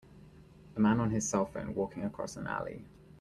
A man on his cellphone walking across an alley.